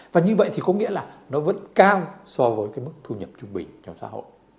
và như vậy thì có nghĩa là nó vẫn cao so với cái mức thu nhập trung bình trong xã hội